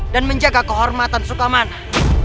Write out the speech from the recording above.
dan menjaga kehormatan sukamana